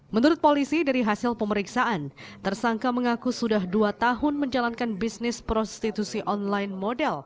menurut polisi dari hasil pemeriksaan tersangka mengaku sudah dua tahun menjalankan bisnis prostitusi online model